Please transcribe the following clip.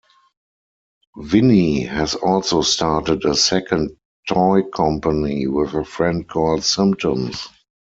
Vinnie has also started a second toy company with a friend called Symptoms.